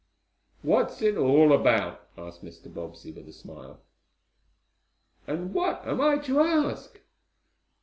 "What's it all about?" asked Mr. Bobbsey, with a smile. "And what am I to ask?"